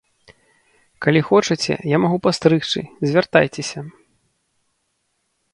Калі хочаце, я магу пастрыгчы, звяртайцеся!